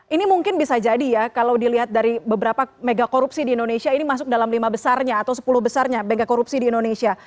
ini mungkin bisa jadi ya kalau dilihat dari beberapa mega korupsi di indonesia ini masuk dalam lima besarnya atau sepuluh besarnya bengke korupsi di indonesia